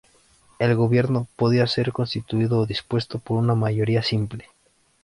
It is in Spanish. El gobierno podía ser constituido o disuelto por una mayoría simple.